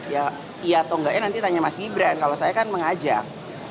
ya iya atau enggaknya nanti tanya mas gibran kalau saya kan mengajak